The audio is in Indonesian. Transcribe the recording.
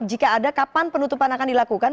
jika ada kapan penutupan akan dilakukan